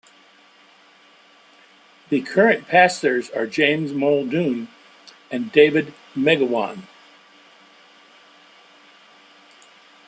The current pastors are James Muldoon and David Magowan.